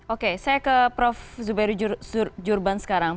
oke saya ke prof zubairi jurban sekarang